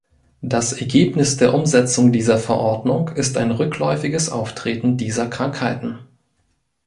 Das Ergebnis der Umsetzung dieser Verordnung ist ein rückläufiges Auftreten dieser Krankheiten.